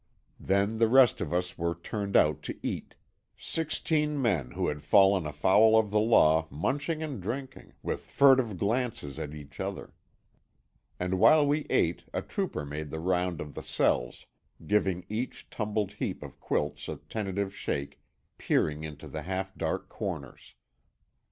Then the rest of us were turned out to eat; sixteen men who had fallen afoul of the law munching and drinking, with furtive glances at each other. And while we ate a trooper made the round of the cells, giving each tumbled heap of quilts a tentative shake, peering into the half dark corners.